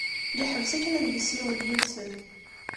Yeḥbes akken ad yessiwel yid-sen.